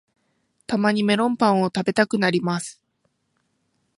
たまにメロンパンを食べたくなります